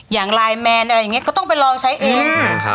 อย่างไลน์แมนอะไรอย่างนี้ก็ต้องไปลองใช้เอง